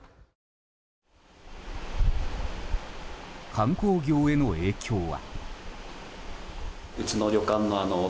観光業への影響は？